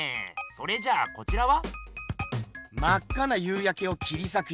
それじゃあこちらは？